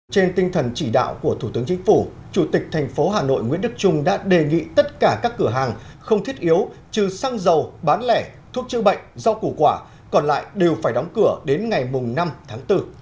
trên tinh thần chỉ đạo của thủ tướng chính phủ chủ tịch thành phố hà nội nguyễn đức trung đã đề nghị tất cả các cửa hàng không thiết yếu trừ xăng dầu bán lẻ thuốc chữa bệnh rau củ quả còn lại đều phải đóng cửa đến ngày năm tháng bốn